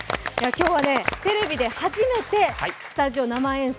今日はテレビで初めてスタジオ生演奏。